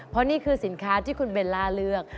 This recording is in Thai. เพราะนี่คือสินค้าที่คุณเบลล่าเลือก